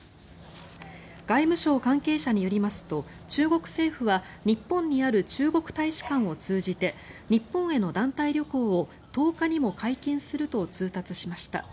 外務省関係者によりますと中国政府は日本にある中国大使館を通じて日本への団体旅行を１０日にも解禁すると通達しました。